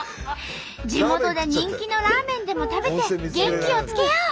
地元で人気のラーメンでも食べて元気をつけよう！